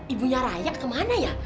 ibunya raya kemana ya